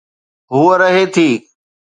هوءَ رهي ٿي.